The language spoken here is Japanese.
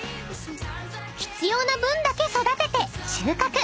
［必要な分だけ育てて収穫］